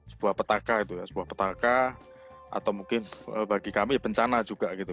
sebuah petaka itu ya sebuah petaka atau mungkin bagi kami bencana juga gitu